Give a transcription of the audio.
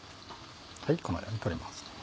このように取れます。